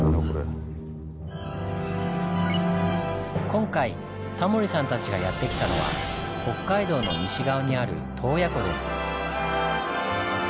今回タモリさんたちがやって来たのは北海道の西側にある洞爺湖です。